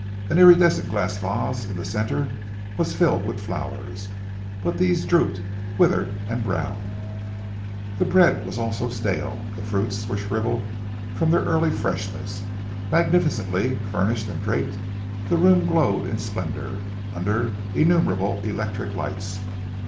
An iridescent glass vase in the centre was filled with flowers, but these drooped, withered and brown. The bread also was stale, the fruits were shrivelled from their early freshness. Magnificently furnished and draped, the room glowed in splendour, under innumerable electric lights.